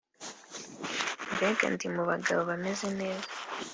mbega ndi mu bagabo bameze neza